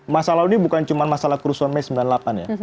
masa lalu ini bukan cuma masalah kerusuhan mei sembilan puluh delapan ya